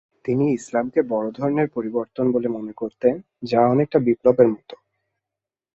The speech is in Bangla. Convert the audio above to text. তিনি ইসলামকে বড় ধরনের পরিবর্তন বলে মনে করতেন, যা অনেকটা বিপ্লবের মত।